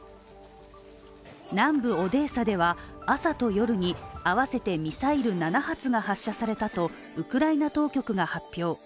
南部オデーサでは朝と夜に合わせてミサイル７発が発射されたとウクライナ当局が発表。